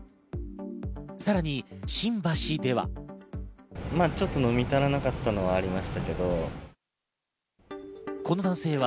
さらに新橋では。